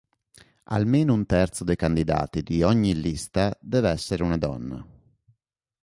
Almeno un terzo dei candidati di ogni lista deve essere una donna.